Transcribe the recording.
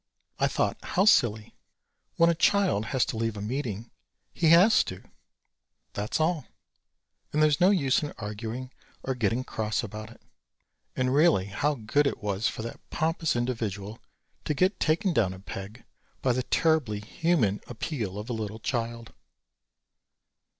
I thought how silly. When a child has to leave a meeting he has to, that's all, and there's no use in arguing or getting cross about it. And really how good it was for that pompous individual to get taken down a peg by the terribly human appeal of a little child.